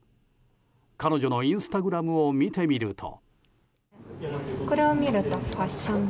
彼女のインスタグラムを見てみると。